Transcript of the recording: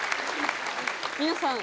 皆さん。